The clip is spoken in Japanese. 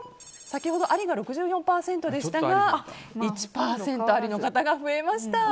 先ほど、ありが６４％でしたが１％ありの方が増えました。